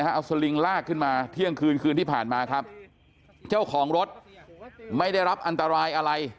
เอาสลิงลากขึ้นมาเที่ยงคืนคืนที่ผ่านมาครับเจ้าของรถไม่ได้รับอันตรายอะไร